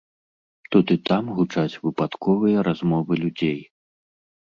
Тут і там гучаць выпадковыя размовы людзей.